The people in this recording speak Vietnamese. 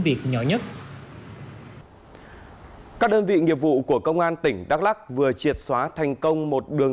nội dung nhất các đơn vị nghiệp vụ của công an tỉnh đắk lắc vừa triệt xóa thành công một đường